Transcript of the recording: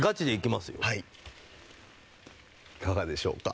いかがでしょうか？